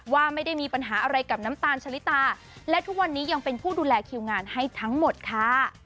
ว่าไม่ได้มีปัญหาอะไรกับน้ำตาลชะลิตาและทุกวันนี้ยังเป็นผู้ดูแลคิวงานให้ทั้งหมดค่ะ